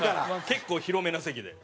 結構広めな席で。